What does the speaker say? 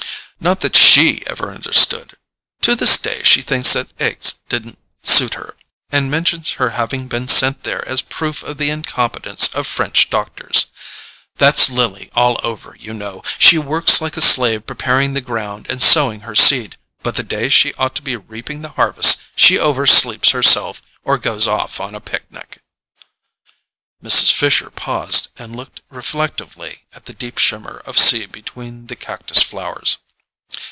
Not that SHE ever understood: to this day she thinks that Aix didn't suit her, and mentions her having been sent there as proof of the incompetence of French doctors. That's Lily all over, you know: she works like a slave preparing the ground and sowing her seed; but the day she ought to be reaping the harvest she over sleeps herself or goes off on a picnic." Mrs. Fisher paused and looked reflectively at the deep shimmer of sea between the cactus flowers.